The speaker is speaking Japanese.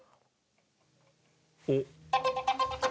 おっ。